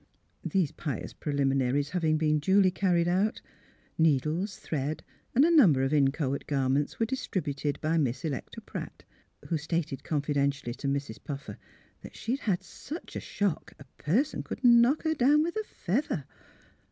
These pious preliminaries having been duly car ried out, needles, thread, and a number of in choate garments were distributed by Miss Electa Pratt, who stated confidentially to Mrs. Puffer that she 'd had such a shock a person could knock her down with a feather.